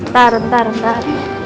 taruh taruh taruh